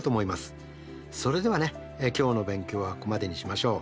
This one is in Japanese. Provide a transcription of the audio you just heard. それではね今日の勉強はここまでにしましょう。